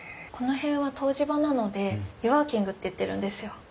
この辺は湯治場なので「湯ワーキング」っていってるんですよ。